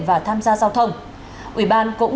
và tham gia giao thông ủy ban cũng